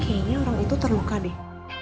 kayaknya orang itu terluka deh